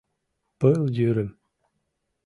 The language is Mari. Пыл йӱрым